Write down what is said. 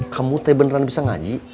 kamu beneran bisa ngaji